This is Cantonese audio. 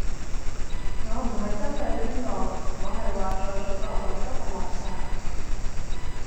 我唔係針對邊個，我係話在座各位都係垃圾